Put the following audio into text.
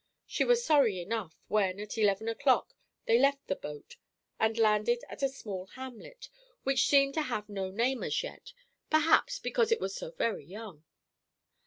She was sorry enough when, at eleven o'clock, they left the boat, and landed at a small hamlet, which seemed to have no name as yet, perhaps because it was so very young.